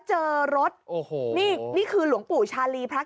การนอนไม่จำเป็นต้องมีอะไรกัน